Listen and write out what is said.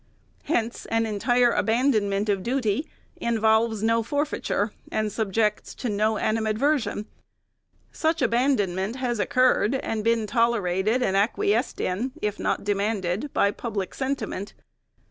Hence an entire aban donment of duty involves no forfeiture, and subjects to no animadversion. Such abandonment has occurred, and been tolerated and acquiesced in, if not demanded, by public sentiment.